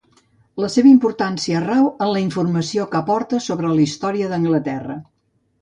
La seva importància rau en la informació que aporta sobre la història d'Anglaterra.